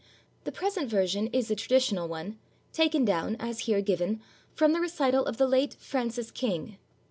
The present version is a traditional one, taken down, as here given, from the recital of the late Francis King.